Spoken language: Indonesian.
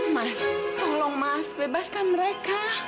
mas tolong mas bebaskan mereka